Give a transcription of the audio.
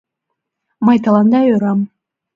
Мый тыланда ӧрам.